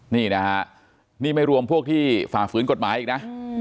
นี่นะฮะนี่ไม่รวมพวกที่ฝ่าฝืนกฎหมายอีกนะ